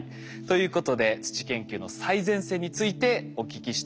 ということで土研究の最前線についてお聞きしていきましょう。